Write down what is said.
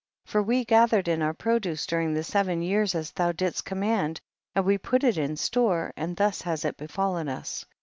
for we gath ered in our produce during the seven years as thou didst command, and we put il in store, and thus has it befallen us.